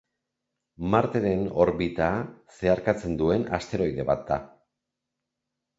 Marteren orbita zeharkatzen duen asteroide bat da.